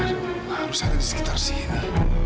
harus ada di sekitar sini